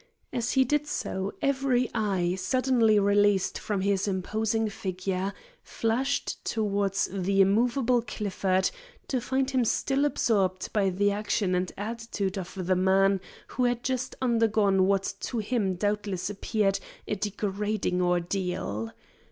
As he did so, every eye, suddenly released from his imposing figure, flashed towards the immovable Clifford, to find him still absorbed by the action and attitude of the man who had just undergone what to him doubtless appeared a degrading ordeal.